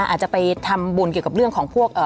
อาจจะไปทำบุญเกี่ยวกับเรื่องของพวก